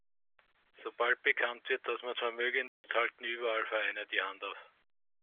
Sobald bekannt wird, dass man vermögend ist, halten überall Vereine die Hand auf.